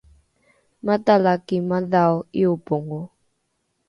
matalaki madhao ’iobongo